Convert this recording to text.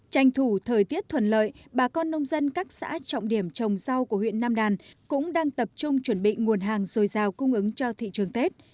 tranh thủ thời tiết thuận lợi bà con nông dân các xã trọng điểm trồng rau của huyện nam đàn cũng đang tập trung chuẩn bị nguồn hàng dồi dào cung ứng cho thị trường tết